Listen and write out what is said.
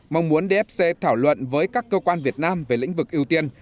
mong muốn dfc thảo luận với các cơ quan việt nam về lĩnh vực ưu tiên